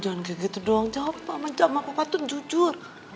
jangan gitu doang jawab apa apa patut jujur